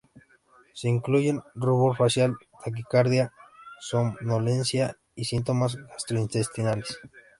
Se incluyen rubor facial, taquicardia, somnolencia y síntomas gastrointestinales.